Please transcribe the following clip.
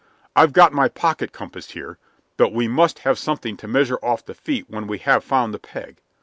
I've got my pocket compass here, but we must have something to measure off the feet when we have found the peg.